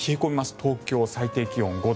東京、最低気温５度。